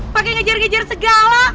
pake ngejar ngejar segala